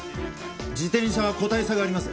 自転車は個体差があります。